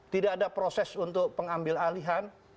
tidak ada proses untuk pengambil alihan